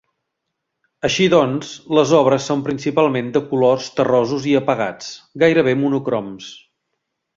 Així doncs, les obres són principalment de colors terrosos i apagats, gairebé monocroms.